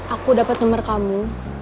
aku dapat nomer kamu